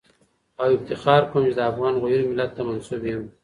او افتخار کوم چي د افغان غیور ملت ته منسوب یم